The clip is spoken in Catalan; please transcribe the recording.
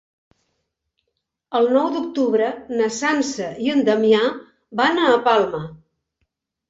El nou d'octubre na Sança i en Damià van a Palma.